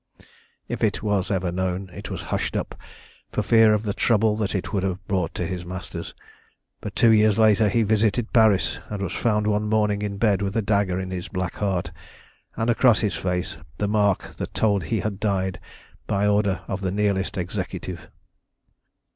"If it was ever known, it was hushed up for fear of the trouble that it would have brought to his masters; but two years later he visited Paris, and was found one morning in bed with a dagger in his black heart, and across his face the mark that told that he had died by order of the Nihilist Executive.